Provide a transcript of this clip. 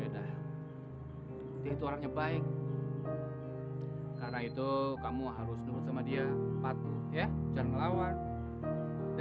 ya itu berarti harus ngedukung aku